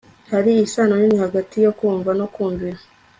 hari isano nini hagati yo kumva no kumvira